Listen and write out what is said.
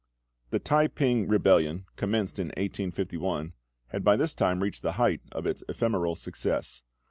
The T'ai p'ing rebellion, commenced in 1851, had by this time reached the height of its ephemeral success.